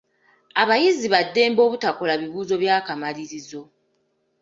Abayizi ba ddembe obutakola bibuuzo by'akamalirizo.